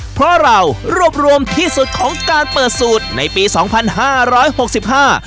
เพราะเรารวบรวมที่สุดของการเปิดสูตรในปีสองพันห้าร้อยหกสิบห้า